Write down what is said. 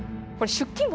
出勤簿？